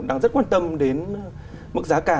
đang rất quan tâm đến mức giá cả